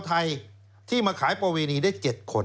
เอ๊ทำถูกกฎหมายแล้วมีการกวาดล้างที่สุดในประวัติศาสตร์ของเยอรมัน